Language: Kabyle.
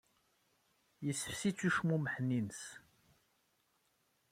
Yessefsi-tt ucmummeḥ-nni-ines.